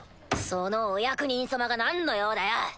そのお役人様がなんの用だよ？